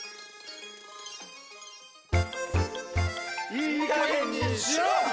いいかげんにしろ！